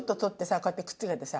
こうやってくっつけてさ。